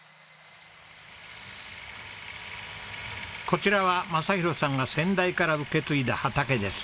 こちらは正博さんが先代から受け継いだ畑です。